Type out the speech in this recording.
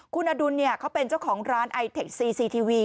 คุณอดุลเขาเป็นเจ้าของร้านไอเทคซีซีทีวี